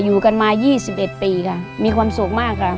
อยู่กันมา๒๑ปีค่ะมีความสุขมากค่ะ